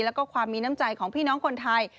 แล้วก็ความมีน้ำใจของพี่น้องคนไทย